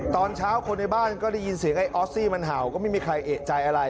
ตอนเช้าคนในบ้านก็ได้ยินเสียงไอ้ออสซี่มันเห่าก็ไม่มีใครเอกใจอะไร